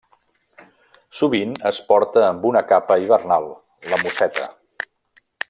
Sovint es porta amb una capa hivernal, la musseta.